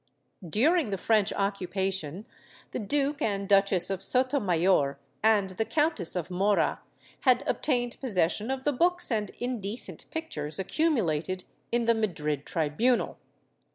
During the French occupation the Duke and Duchess of Sotomayor and the Countess of Mora had obtained possession of the books and indecent pictures accumulated in the Madrid tribunal.